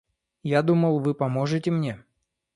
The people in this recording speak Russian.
Я думал, Вы поможете мне.